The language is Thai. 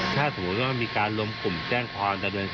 ใช่คิดว่าเป็นการรักษาการแผล